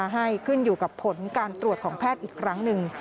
ให้ขึ้นอยู่กับผลการตรวจของแพทย์อีกครั้งหนึ่ง